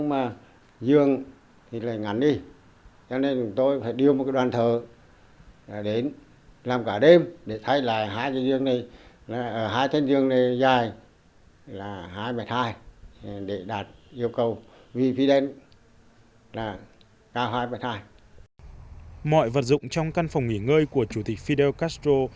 mọi vật dụng trong căn phòng nghỉ ngơi của chủ tịch fidel castro